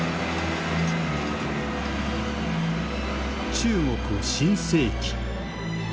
中国新世紀。